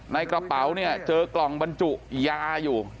ในกระเป๋าเนี่ยเจอกล่องบรรจุยาอยู่